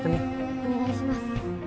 お願いします。